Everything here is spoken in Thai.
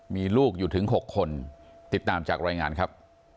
มีลูกอยู่ถึง๖คนติดตามจากรายงานครับ